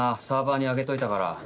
サーバーに上げといたから。